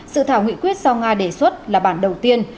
sự thảo nghị quyết do nga đề xuất là bản đầu tiên